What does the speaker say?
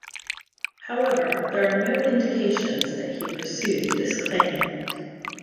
However, there are no indications that he pursued this claim.